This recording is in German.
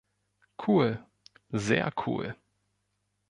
Cool; sehr cool.